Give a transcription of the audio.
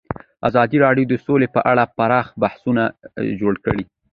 ازادي راډیو د سوله په اړه پراخ بحثونه جوړ کړي.